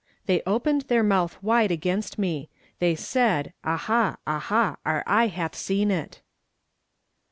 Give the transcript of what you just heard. "THEY OPENED THEIR MOUTH WIDE AGAINST ^IE; THEY SAID: 'AHA, AHA, OUR EVE HATH SEEN IT.'